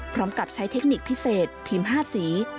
พร้อมกับใช้เทคนิคพิเศษทีม๕สี